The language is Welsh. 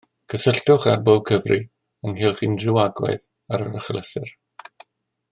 Cysylltwch ar bob cyfri ynghylch unrhyw agwedd ar yr achlysur